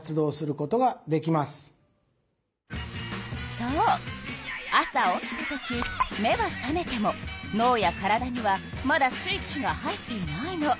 そう朝起きた時目は覚めてものうや体にはまだスイッチが入っていないの。